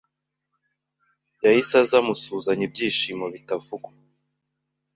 yahise aza amusuhuzanya ibyishimo bitavugwa